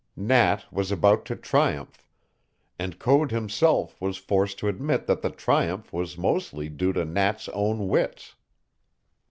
Nat was about to triumph, and Code himself was forced to admit that this triumph was mostly due to Nat's own wits.